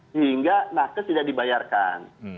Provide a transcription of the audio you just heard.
sehingga nakas tidak dibayarkan